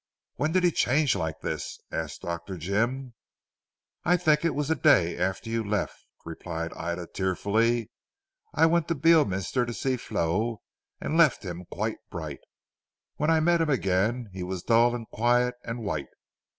"When did he change like this?" asked Dr. Jim. "I think it was the day after you left," replied Ida tearfully, "I went to Beorminster to see Flo, and left him quite bright. When I met him again, he was dull, and quiet, and white.